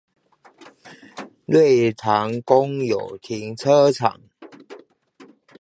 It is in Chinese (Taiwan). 瑞塘公有停車場